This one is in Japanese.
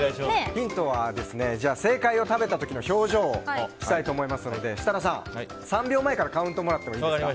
ヒントは、正解を食べた時の表情をしたいと思いますので設楽さん、３秒前からカウントもらっていいですか。